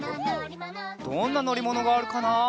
どんなのりものがあるかな？